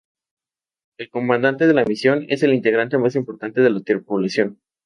El comandante de la misión, es el integrante más importante de la tripulación.